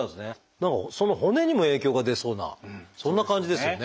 何か骨にも影響が出そうなそんな感じですよね。